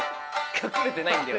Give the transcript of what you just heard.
隠れてないんだよ。